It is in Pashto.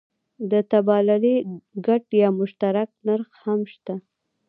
د تبادلې ګډ یا مشترک نرخ هم شته.